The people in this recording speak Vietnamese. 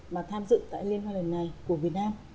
mà tham dự tại liên hoa lần này của việt nam